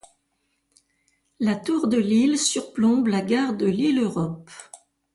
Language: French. La tour de Lille surplombe la gare de Lille-Europe.